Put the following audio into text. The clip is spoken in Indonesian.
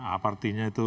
apa artinya itu